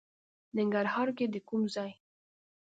ننګرهار کې د کوم ځای؟